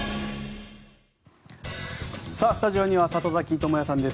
スタジオには里崎智也さんです。